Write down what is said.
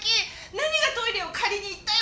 何が「トイレを借りに行った」よ。